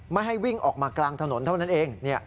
ไม่ให้วิ่งออกมากลางถนนเท่านั้นเอง